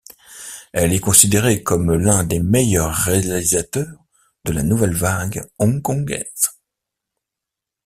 Elle est considérée comme l'un des meilleurs réalisateurs de la Nouvelle Vague hongkongaise.